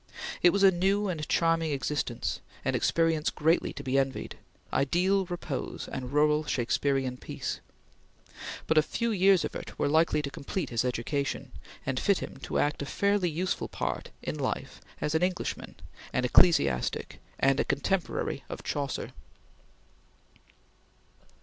It was a new and charming existence; an experience greatly to be envied ideal repose and rural Shakespearian peace but a few years of it were likely to complete his education, and fit him to act a fairly useful part in life as an Englishman, an ecclesiastic, and a contemporary of Chaucer.